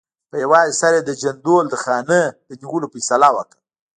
په یوازې سر یې د جندول د خانۍ د نیولو فیصله وکړه.